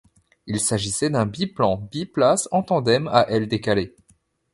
Il s'agissait d'un biplan biplace en tandem à ailes décalées.